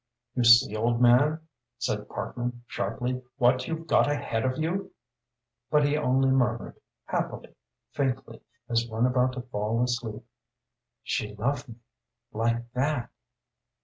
"You see, old man," said Parkman, sharply, "what you've got ahead of you?" But he only murmured, happily, faintly, as one about to fall asleep: "She loved me like that."